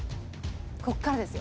「ここからですよ」